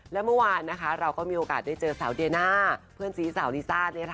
และเมื่อวานเราก็มีโอกาสได้เจอสาวเดียน่าเพื่อนซีสาวลิซ่า